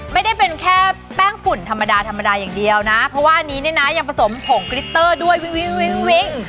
ไม่ได้เป็นแค่แป้งฝุ่นธรรมดาธรรมดาอย่างเดียวนะเพราะว่าอันนี้เนี่ยนะยังผสมผงกริตเตอร์ด้วยวิ่ง